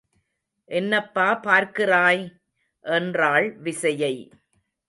என்னப்பா பார்க்கிறாய்! என்றாள் விசயை.